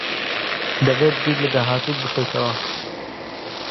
دەبێت بیر لە داهاتووت بکەیتەوە.